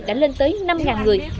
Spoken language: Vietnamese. đã lên tới năm người